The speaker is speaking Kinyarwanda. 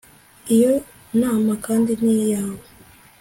Iyo nama kandi ni yawe